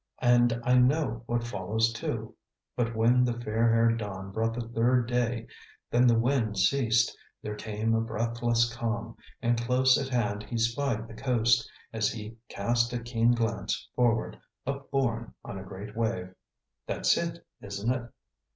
And I know what follows, too. 'But when the fair haired dawn brought the third day, then the wind ceased; there came a breathless calm; and close at hand he spied the coast, as he cast a keen glance forward, upborne on a great wave.' That's it, isn't it?"